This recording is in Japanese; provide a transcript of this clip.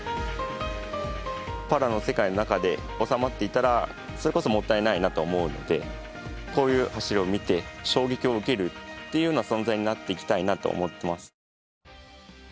パラの世界の中で収まっていたらそれこそもったいないなと思うのでこういう走りを見て衝撃を受けるというような存在になっていきたいなと思っています。